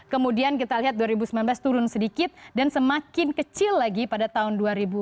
kemudian kita lihat dua ribu sembilan belas turun sedikit dan semakin kecil lagi pada tahun dua ribu dua puluh